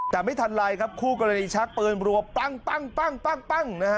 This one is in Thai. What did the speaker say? แต่ไม่ทันไรครับคู่กรณีชักปืนรัวปั้งนะฮะ